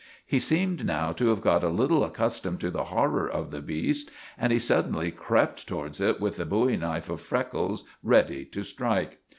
He seemed now to have got a little accustomed to the horror of the beast, and he suddenly crept towards it with the bowie knife of Freckles ready to strike.